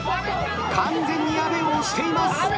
完全に阿部を押しています。